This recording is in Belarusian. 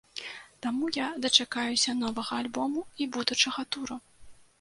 Таму я дачакаюся новага альбому і будучага туру.